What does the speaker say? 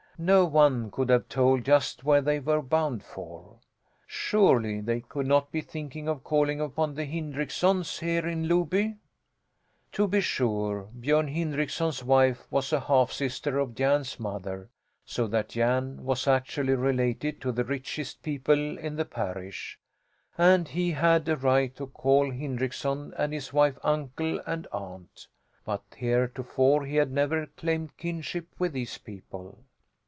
No one could have told just where they were bound for. Surely they could not be thinking of calling upon the Hindricksons, here in Loby? To be sure Björn Hindrickson's wife was a half sister of Jan's mother, so that Jan was actually related to the richest people in the parish, and he had a right to call Hindrickson and his wife uncle and aunt. But heretofore he had never claimed kinship with these people.